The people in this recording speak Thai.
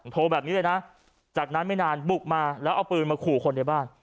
โทรแบบนี้เลยนะจากนั้นไม่นานบุกมาแล้วเอาปืนมาขู่คนในบ้าน